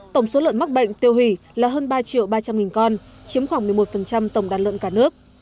tổng số lợn mắc bệnh tiêu hủy là hơn ba triệu ba trăm linh con chiếm khoảng một mươi một tổng đàn lợn cả nước